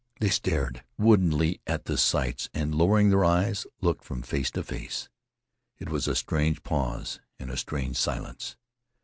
They stared woodenly at the sights, and, lowering their eyes, looked from face to face. It was a strange pause, and a strange silence.